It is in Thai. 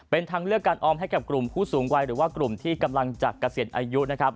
เป็นทางเลือกการออมให้กับกลุ่มผู้สูงวัยหรือว่ากลุ่มที่กำลังจะเกษียณอายุนะครับ